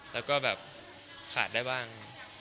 แล้วก็แบบขาดได้บ้าง